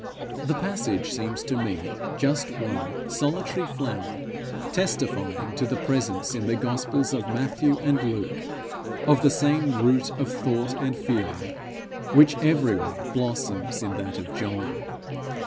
The passage seems to me just one solitary flower testifying to the presence in the gospels of Matthew and Luke of the same root of thought and feeling which everywhere blossoms in that of John.